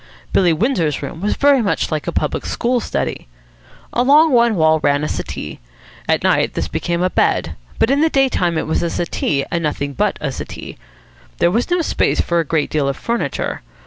Billy Windsor's room was very much like a public school study. Along one wall ran a settee. At night this became a bed; but in the daytime it was a settee and nothing but a settee. There was no space for a great deal of furniture.